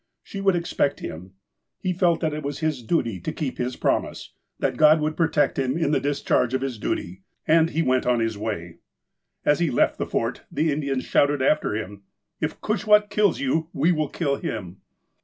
She would ex pect him. He felt that it was his duty to keep his prom ise ; that God would protect him in the discharge of his duty. And he went on his way. As he left the Fort, the Indians shouted after him :" If Cushwaht kills you, we will kill him."